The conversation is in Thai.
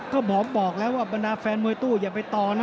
ก็บอกแล้วว่าบรรดาแฟนมวยตู้อย่าไปต่อนะ